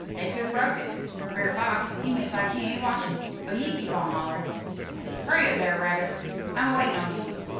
Dey couldn't broke it. Brer Fox, he make like he ain't watchin', but he keep on hoUer'n': 'Hurry up dar, Rabs! I'm a waitin' on you.'